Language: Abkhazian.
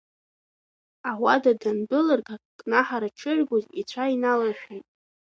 Ауада дандәылырга кнаҳара дшыргоз ицәа иналашәеит.